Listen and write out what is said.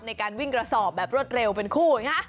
ในการวิ่งกระสอบแบบรวดเร็วเป็นคู่